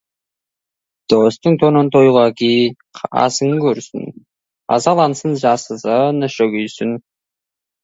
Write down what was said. Достың тонын тойға ки, қасың көрсін, ызалансын, жасысын, іші күйсін.